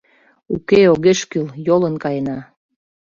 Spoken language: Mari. — Уке, огеш кӱл, йолын каена.